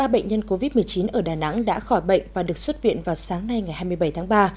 ba bệnh nhân covid một mươi chín ở đà nẵng đã khỏi bệnh và được xuất viện vào sáng nay ngày hai mươi bảy tháng ba